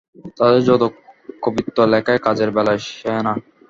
তাদের যত কবিত্ব লেখায়, কাজের বেলায় সেয়ানা।